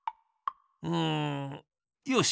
うんよし！